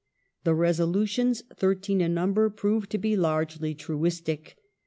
The resolutions, thirteen in number, proved to be largely truistic.